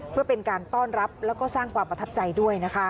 เพื่อเป็นการต้อนรับแล้วก็สร้างความประทับใจด้วยนะคะ